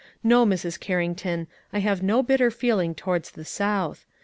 No, Mrs. Carrington, I have no bitter feeling towards the South.